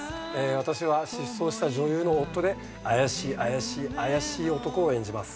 私は失踪した女優の夫で怪しい怪しい怪しい男を演じます。